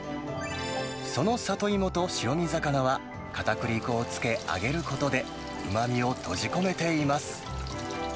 そのサトイモと白身魚は、かたくり粉をつけ、揚げることで、うまみを閉じ込めています。